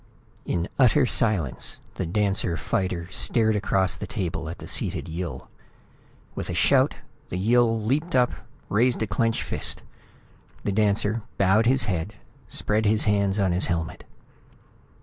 In utter silence the dancer fighter stared across the table at the seated Yill. With a shout, the Yill leaped up, raised a clenched fist. The dancer bowed his head, spread his hands on his helmet.